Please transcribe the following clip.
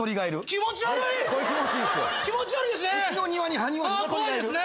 気持ち悪いですね。